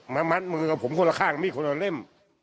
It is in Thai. มัดมือกับผมคนละข้างมีดคนละเล่ม